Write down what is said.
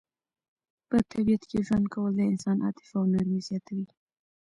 په طبیعت کې ژوند کول د انسان عاطفه او نرمي زیاتوي.